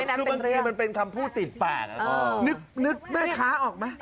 เออคือบางทีมันเป็นคำพูดติดป้านะอ่านึกนึกแม่ค้าออกไหม